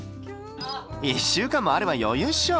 １週間もあれば余裕っしょ。